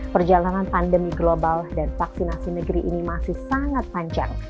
perjalanan pandemi global dan vaksinasi negeri ini masih sangat panjang